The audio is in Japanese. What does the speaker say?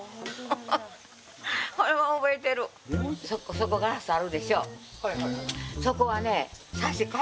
そこ、ガラスあるでしょ。